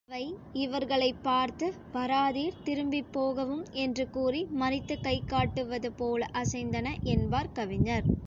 அவை இவர்களைப் பார்த்து, வராதீர் திரும்பிப் போகவும் என்று கூறி மறித்துக் கைகாட்டுவது போல அசைந்தன என்பார் கவிஞர்.